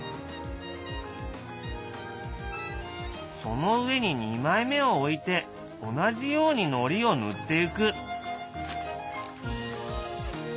その上に２枚目をおいて同じようにのりをぬってゆく。